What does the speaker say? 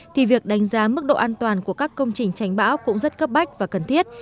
thì việc đánh giá mức độ an toàn của các công trình tránh bão cũng rất cấp bách và cần thiết